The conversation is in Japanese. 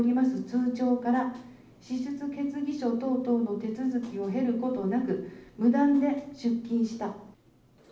通帳から、支出決議書等々の手続きを経ることなく、無断で出金した。